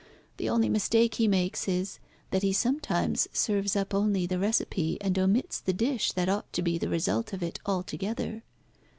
The only mistake he makes is, that he sometimes serves up only the recipe, and omits the dish that ought to be the result of it altogether.